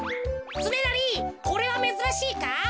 つねなりこれはめずらしいか？